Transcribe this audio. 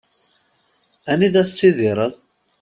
Anida tettidireḍ?